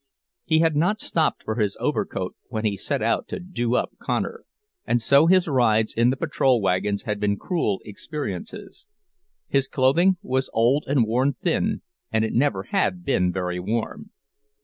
He had not stopped for his overcoat when he set out to "do up" Connor, and so his rides in the patrol wagons had been cruel experiences; his clothing was old and worn thin, and it never had been very warm.